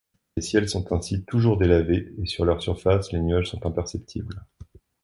Les ciels sont ainsi toujours délavés et sur leur surface les nuages sont imperceptibles.